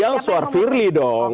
ya swafirli dong